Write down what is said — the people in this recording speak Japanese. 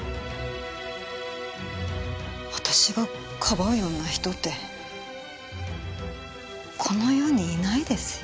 私がかばうような人ってこの世にいないですよ。